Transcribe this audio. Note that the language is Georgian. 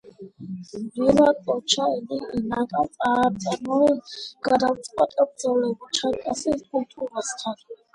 ვირაკოჩა ინკამ აწარმოა გადამწყვეტი ბრძოლები ჩარკასის კულტურასთან.